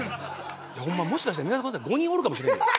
ホンマもしかして宮迫さん５人おるかもしれんよ。